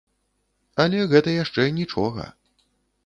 Але гэта яшчэ нічога.